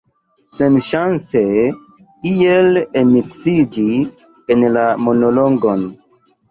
Senŝance iel enmiksiĝi en la monologon.